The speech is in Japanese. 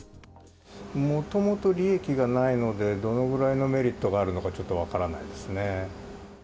もともと利益がないので、どのぐらいのメリットがあるのかちょっと分からないですね。